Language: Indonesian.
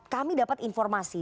kami dapat informasi